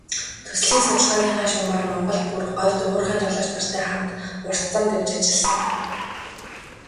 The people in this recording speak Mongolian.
Төслийн судалгааныхаа шугамаар Монголд, бүр говьд уурхайн жолооч нартай хамт урт замд явж ажилласан.